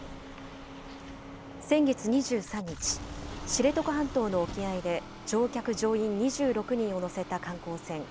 先月２３日、知床半島の沖合で乗客・乗員２６人を乗せた観光船